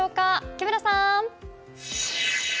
木村さん！